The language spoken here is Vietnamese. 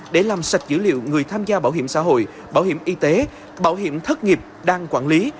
để làm sạch dữ liệu người tham gia bảo hiểm xã hội bảo hiểm y tế bảo hiểm thất nghiệp đang quản lý